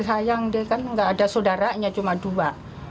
kecil sayang dia kan gak ada saudaranya cuma dua